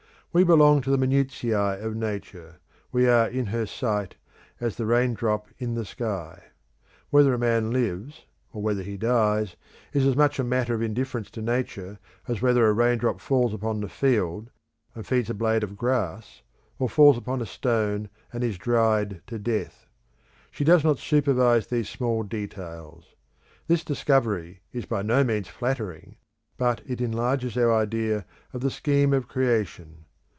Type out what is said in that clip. We belong to the minutiae of Nature, we are in her sight, as the rain drop in the sky; whether a man lives, or whether he dies, is as much a matter of indifference to Nature as whether a rain drop falls upon the field and feeds a blade of grass, or falls upon a stone and is dried to death. She does not supervise these small details. This discovery is by no means flattering, but it enlarges our idea of the scheme of creation.